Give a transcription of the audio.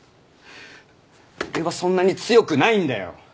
俺はそんなに強くないんだよ！